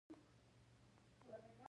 غریب د څښاک او خوراک تمه لري